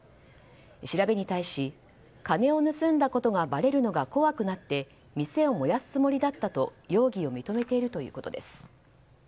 調べに対し、金を盗んだことがばれるのが怖くなって店を燃やすつもりだったと容疑を認めているということです。